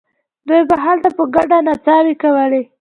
دوی به هلته په ګډه نڅاوې کولې.